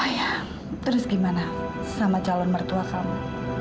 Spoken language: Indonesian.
oh ya terus gimana sama calon mertua kamu